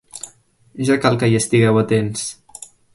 Ja cal que hi estigueu atents!